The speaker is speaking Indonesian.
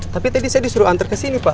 tapi tadi saya disuruh antar kesini pak